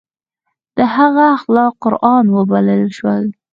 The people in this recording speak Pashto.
د هغه اخلاق قرآن وبلل شول.